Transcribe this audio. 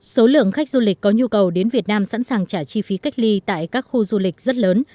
số lượng khách du lịch có nhu cầu đến việt nam sẵn sàng trả chi phí cách ly tại các khu du lịch rất lớn